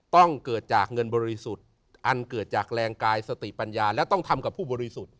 ต้องเกิดจากเงินบริสุทธิ์อันเกิดจากแรงกายสติปัญญาและต้องทำกับผู้บริสุทธิ์